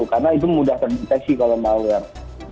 karena itu mudah terdeteksi kalau malware